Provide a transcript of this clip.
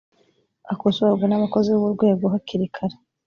akosorwe n abakozi b urwego hakiri kare